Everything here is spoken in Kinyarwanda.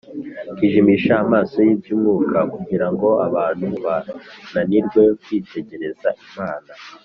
kijimisha amaso y’iby’umwuka kugira ngo abantu bananirwe kwitegereza imana